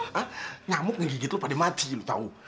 hah nyamuk ngegigit lo pada mati lo tahu